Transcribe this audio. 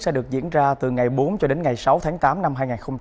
đã được diễn ra từ ngày bốn cho đến ngày sáu tháng tám năm hai nghìn hai mươi ba